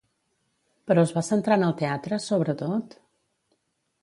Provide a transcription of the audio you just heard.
Però es va centrar en el teatre, sobretot?